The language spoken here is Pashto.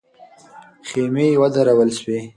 خېمې ودرول سوې.